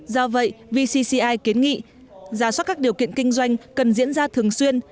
do vậy vcci kiến nghị giả soát các điều kiện kinh doanh cần diễn ra thường xuyên